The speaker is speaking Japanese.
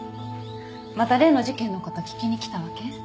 また例の事件の事聞きに来たわけ？